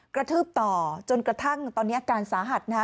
กระทืบต่อจนกระทั่งตอนนี้อาการสาหัสนะคะ